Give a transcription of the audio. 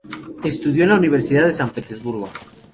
Estudió en la Universidad de San Petersburgo.